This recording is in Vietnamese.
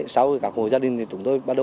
sau các hồ gia đình thì chúng tôi bắt đầu